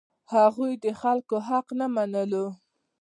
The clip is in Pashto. هغوی د خلکو حق نه منلو.